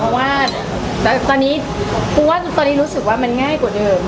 เพราะว่าตอนนี้เพราะว่าตอนนี้รู้สึกว่ามันง่ายกว่าเดิม